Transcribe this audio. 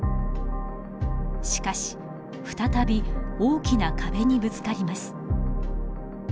しかし再び大きな壁にぶつかります。